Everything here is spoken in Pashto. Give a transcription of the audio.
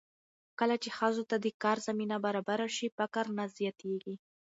کله چې ښځو ته د کار زمینه برابره شي، فقر نه زیاتېږي.